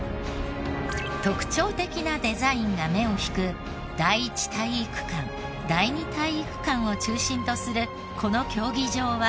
特徴的なデザインが目を引く第一体育館第二体育館を中心とするこの競技場は。